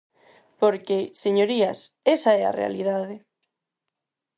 Porque, señorías, esa é a realidade.